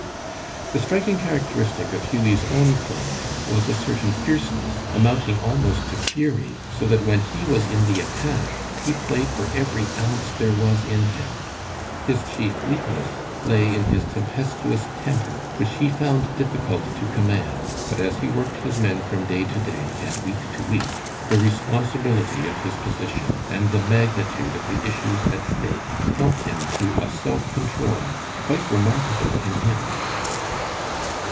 The striking characteristic of Hughie's own playing was a certain fierceness, amounting almost to fury, so that when he was in the attack he played for every ounce there was in him. His chief weakness lay in his tempestuous temper, which he found difficult to command, but as he worked his men from day to day, and week to week, the responsibility of his position and the magnitude of the issues at stake helped him to a self control quite remarkable in him.